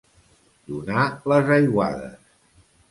Donar les aiguades.